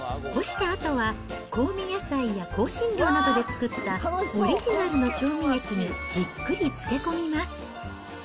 干したあとは、香味野菜や香辛料などで作ったオリジナルの調味液にじっくり漬け込みます。